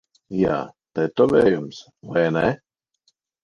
Jā, tetovējums. Vai ne?